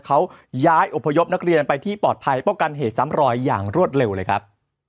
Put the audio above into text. เขาย้ายอบพยพนักเรียนไปที่ปลอดภัยป้องกันเหตุซ้ำรอยอย่างรวดเร็วเลยครับ